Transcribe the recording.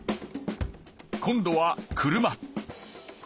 今度は車。